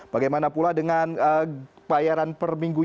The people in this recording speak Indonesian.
bagaimana pula dengan bayaran per minggu